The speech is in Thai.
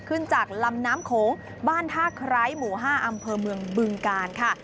ขึ้นจากลำน้ำโขงบ้านท่าไคร้หมู่๕อำเภอเมืองบึงกาลค่ะ